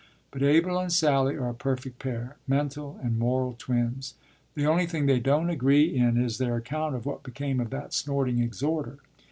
But Abel and Sally are a perfect pair, mental and moral twins; the only thing they don't agree in is their account of what became of that snorting exhorter.